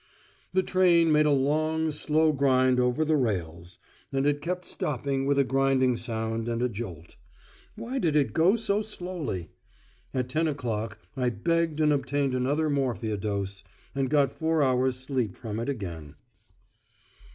The train made a long, slow grind over the rails; and it kept stopping with a griding sound and a jolt. Why did it go so slowly? At ten o'clock I begged and obtained another morphia dose, and got four hours' sleep from it again.